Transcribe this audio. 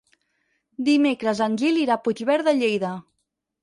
Dimecres en Gil irà a Puigverd de Lleida.